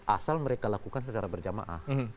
asal mereka lakukan secara berjamaah